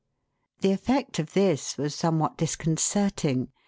The effect of this was somewhat disconcerting.